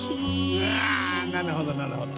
うわなるほどなるほど。